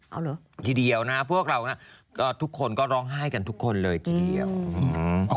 เอาเหรอทีเดียวนะฮะพวกเราน่ะก็ทุกคนก็ร้องไห้กันทุกคนเลยทีเดียวอืม